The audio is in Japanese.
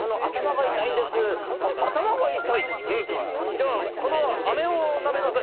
じゃあこのあめをなめなさい。